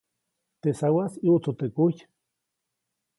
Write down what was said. Teʼ sawaʼis ʼyuʼtsu teʼ kujy.